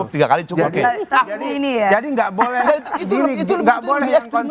dua kali cukup tiga kali cukup